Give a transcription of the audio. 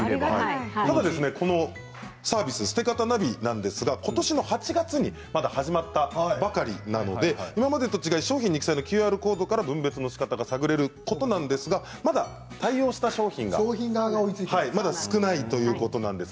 このサービスステカタｎａｖｉことしの８月に始まったばかりなので、今までと違い商品に記載のＱＲコードから分別のしかたが探れるということなんですが、まだ対応した商品が少ないということなんです。